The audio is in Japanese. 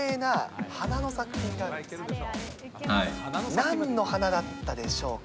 なんの花だったでしょうか。